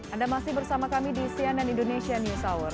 anda masih bersama kami di cnn indonesia news hour